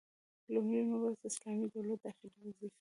لومړی مبحث: د اسلامي دولت داخلي وظيفي: